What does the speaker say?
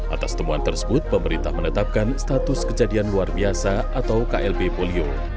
atas temuan tersebut pemerintah menetapkan status kejadian luar biasa atau klb polio